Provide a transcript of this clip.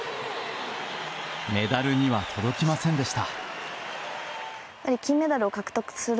メダルには届きませんでした。